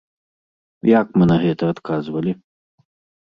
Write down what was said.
Як мы на гэта адказвалі?